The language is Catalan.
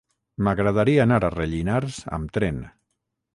M'agradaria anar a Rellinars amb tren.